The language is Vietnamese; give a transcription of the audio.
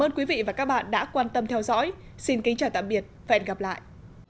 ơn quý vị và các bạn đã quan tâm theo dõi xin kính chào tạm biệt và hẹn gặp lại